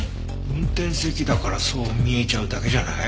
運転席だからそう見えちゃうだけじゃない？